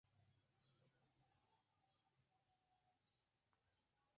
Fue detenido cuando intentaba tomar en un vuelo nacional.